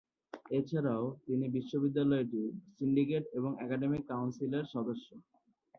এছাড়াও তিনি বিশ্ববিদ্যালয়টির সিন্ডিকেট এবং অ্যাকাডেমিক কাউন্সিলের সদস্য।